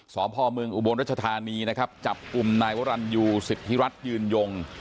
สพเมอุบลรัชธานีนะครับจับอุบนายวรรณอยู่ศิษธิรัติยืนยง